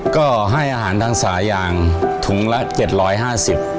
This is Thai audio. ก็ให้อาหารทางสายางถุงละ๗๕๐บาท